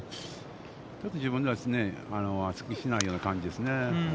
ちょっと自分では、すっきりしないような感じですね。